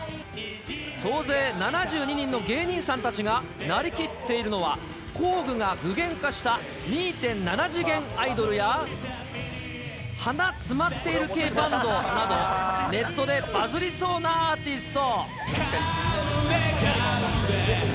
総勢７２人の芸人さんたちが、なりきっているのは、工具が具現化した２．７次元アイドルや、鼻詰まってる系バンドなど、ネットでバズリそうなアーティスト。